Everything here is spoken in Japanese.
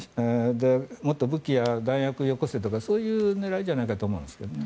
もっと武器や弾薬をよこせとそういう狙いじゃないかと思うんですけどね。